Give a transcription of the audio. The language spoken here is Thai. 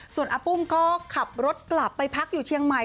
ส่วนอาปุ้มก็ขับรถกลับไปพักอยู่เชียงใหม่